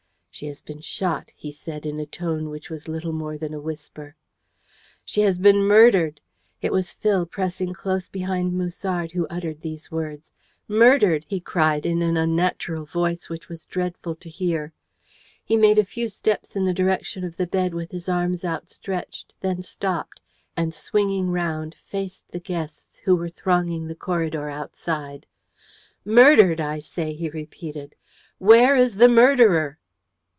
"She has been shot," he said, in a tone which was little more than a whisper. "She has been murdered!" It was Phil, pressing close behind Musard, who uttered these words. "Murdered!" he cried, in an unnatural voice, which was dreadful to hear. He made a few steps in the direction of the bed with his arms outstretched, then stopped, and, swinging round, faced the guests who were thronging the corridor outside. "Murdered, I say!" he repeated. "Where is the murderer?"